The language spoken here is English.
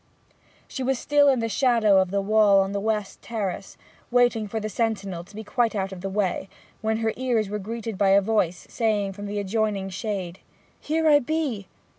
She was still in the shadow of the wall on the west terrace, waiting for the sentinel to be quite out of the way, when her ears were greeted by a voice, saying, from the adjoining shade 'Here I be!'